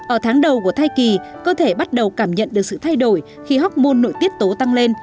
ở tháng đầu của thai kỳ cơ thể bắt đầu cảm nhận được sự thay đổi khi học môn nội tiết tố tăng lên